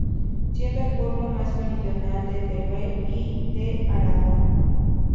Siendo el pueblo más meridional de Teruel y de Aragón.